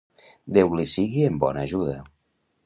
Déu li sigui en bona ajuda.